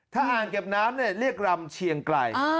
ถ้าอ่านเก็บน้ำเนี่ยเรียกลำเชียงไกร